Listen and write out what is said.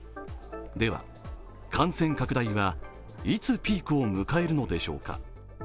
では、感染拡大はいつピークを迎えるのでしょうか。